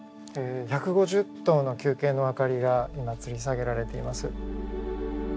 １５０灯の球形のあかりが今つり下げられています。